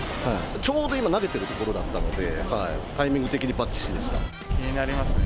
ちょうど今、投げてるところだったので、タイミング的にばっちり気になりますね。